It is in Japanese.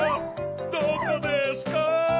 どこですか？